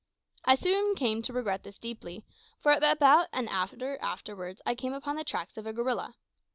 I soon came to regret this deeply, for about an hour afterwards I came upon the tracks of a gorilla.